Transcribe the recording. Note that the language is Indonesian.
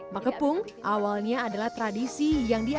makepung awalnya adalah tradisi yang diaku